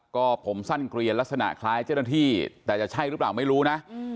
ก็ผมสั้นเกลียนลักษณะคล้ายเจ้าหน้าที่แต่จะใช่หรือเปล่าไม่รู้นะ